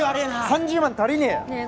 ３０万足りねぇよ。